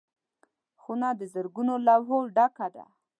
خونه د زرګونو لوحو ډکه ده.